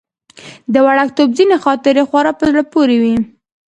د وړکتوب ځينې خاطرې خورا په زړه پورې وي.